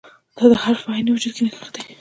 دا د هر فرد په عیني وجود کې نغښتی.